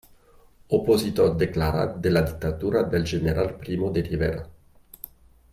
Opositor declarat de la dictadura del general Primo de Rivera.